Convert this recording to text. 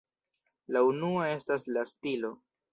La unua estas la stilo.